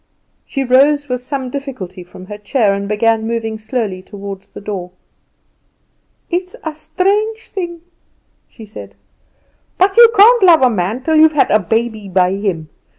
She rose with some difficulty from her chair, and began moving slowly toward the door. "It's a strange thing," she said, "but you can't love a man till you've had a baby by him.